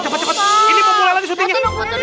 cepet cepet ini mau mulai lagi shootingnya